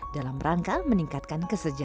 dalam rangka meningkatkan kesejahteraan